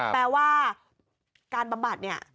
แปลว่าการบำบัดเนี่ย